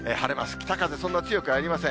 北風そんなに強くはありません。